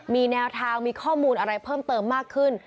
มีแนวทางมีข้อมูลอะไรเพิ่มเติมมากขึ้น